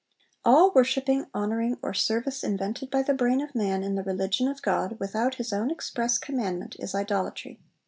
'All worshipping, honouring, or service invented by the brain of man in the religion of God, without his own express commandment, is Idolatry.